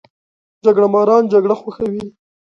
جګړه ماران جګړه خوښوي